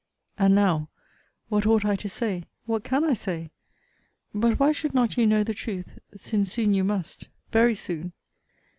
And now, what ought I to say? What can I say? But why should not you know the truth? since soon you must very soon.